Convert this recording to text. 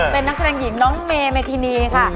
เป็นนักแสดงหญิงน้องเมเมธินีค่ะ